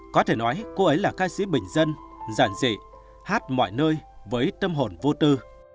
có thể nói cô ấy là ca sĩ bình dân giản dị hát mọi nơi với tâm hồn vô tư